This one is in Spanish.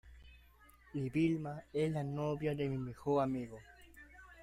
y Vilma es la novia de mi mejor amigo.